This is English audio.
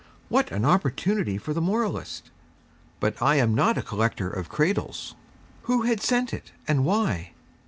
What an opportunity for the moralist! But I am not a collector of cradles. Who had sent it, and why?